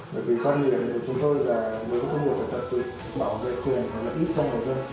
bởi vì quan điểm của chúng tôi là nếu công việc phải tập truyền bảo vệ quyền phải là ít cho người dân